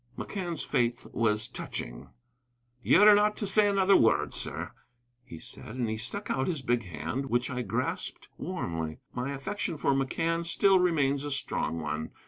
McCann's faith was touching. "Ye're not to say another word, sir," he said, and he stuck out his big hand, which I grasped warmly. My affection for McCann still remains a strong one.